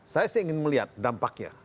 saya sih ingin melihat dampaknya